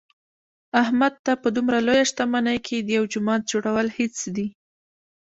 احمد ته په دمره لویه شتمنۍ کې د یوه جومات جوړل هېڅ دي.